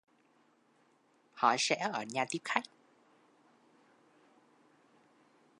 Họ sẽ ở nhà tiếp khách